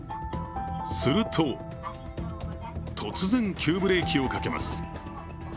すると、突然急ブレーキをかけます